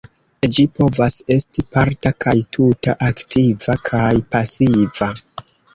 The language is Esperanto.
Ĝi povas esti parta kaj tuta, aktiva kaj pasiva.